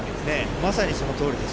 まさにそのとおりです。